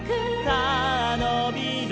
「さあのびろ」